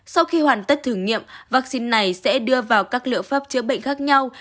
sau khi hoàn tất thử nghiệm vaccine này sẽ đưa vào các liệu pháp chữa bệnh khác nhau